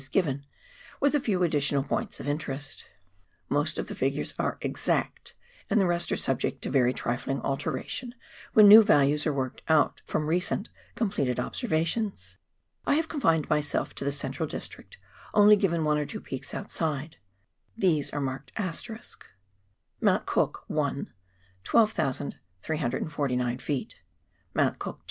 is given, Avith a few additional points of interest. Most of the figures are exact, and the rest are subject to very trifling alteration when new values are worked out from recent completed observations. I have confined myself to the central district, only giving one or two peaks outside — these are marked *:— Feet. Feet. Mount Cook (1) . 12,349 Haidinger . 10,107 (2) .. 12,173 Stokes (La Perouse) . 10,101 (3) ...